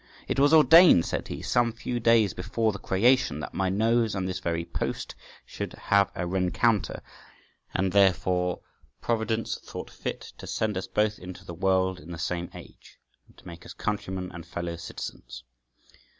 "It was ordained," said he {146b}, "some few days before the creation, that my nose and this very post should have a rencounter, and therefore Providence thought fit to send us both into the world in the same age, and to make us countrymen and fellow citizens.